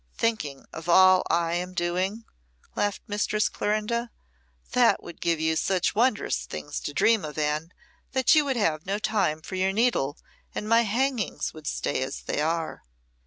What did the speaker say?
"Thinking of all I am doing?" laughed Mistress Clorinda. "That would give you such wondrous things to dream of, Anne, that you would have no time for your needle, and my hangings would stay as they are."